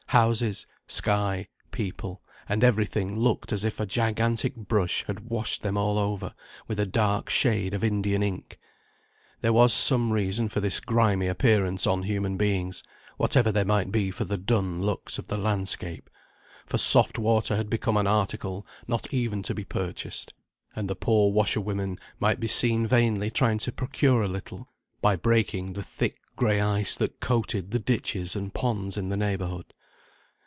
Houses, sky, people, and every thing looked as if a gigantic brush had washed them all over with a dark shade of Indian ink. There was some reason for this grimy appearance on human beings, whatever there might be for the dun looks of the landscape; for soft water had become an article not even to be purchased; and the poor washerwomen might be seen vainly trying to procure a little by breaking the thick gray ice that coated the ditches and ponds in the neighbourhood.